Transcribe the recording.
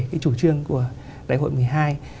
cái chủ trương của đại hội một mươi hai